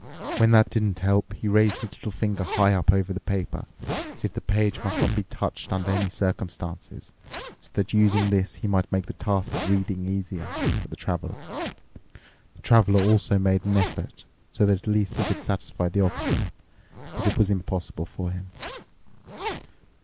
When that didn't help, he raised his little finger high up over the paper, as if the page must not be touched under any circumstances, so that using this he might make the task of reading easier for the Traveler. The Traveler also made an effort so that at least he could satisfy the Officer, but it was impossible for him.